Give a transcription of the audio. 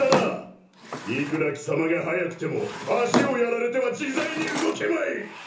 いくら貴様が速くても足をやられては自在に動けまい。